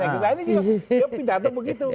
nah misalnya pidato begitu